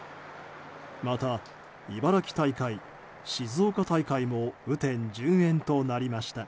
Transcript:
また、茨城大会、静岡大会も雨天順延となりました。